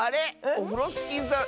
オフロスキーさん